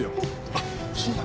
あっそうだ！